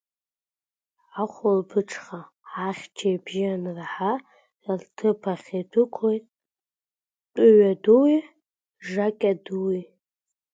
Ахәылбыҽха ахьча ибжьы анраҳа рҭыԥ ахь идәықәлеит Тәыҩадуи жакьадуи.